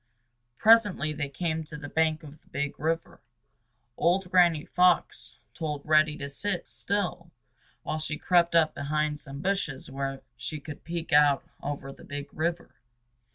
Presently they came to the bank of the Big River. Old Granny Fox told Reddy to sit still while she crept up behind some bushes where she could peek out over the Big River.